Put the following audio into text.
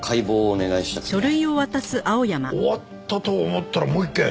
終わったと思ったらもう一件。